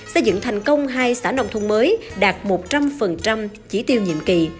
xây dựng thành công hai xã nông thôn mới đạt một trăm linh chỉ tiêu nhiệm kỳ